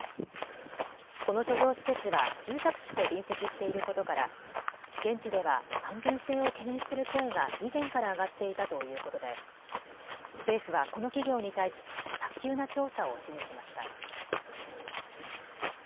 この貯蔵施設は住宅地と隣接していることから現地では安全性を懸念する声が以前から上がっていたということで政府はこの企業に対し早急な調査を指示しました。